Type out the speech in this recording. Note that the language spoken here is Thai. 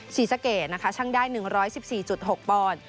ศรีสะเกดนะคะช่างได้๑๑๔๖ปอนด์